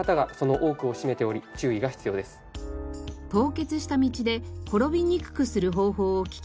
凍結した道で転びにくくする方法を聞きました。